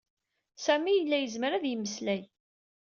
Sami yella yezmer ad yemmeslay.